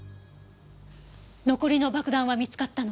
残りの爆弾は見つかったの？